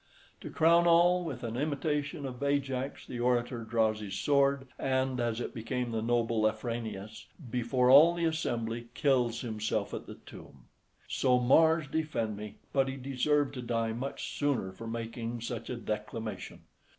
To crown all with an imitation of Ajax, the orator draws his sword, and, as it became the noble Afranius, before all the assembly, kills himself at the tomb. So Mars defend me! but he deserved to die much sooner for making such a declamation.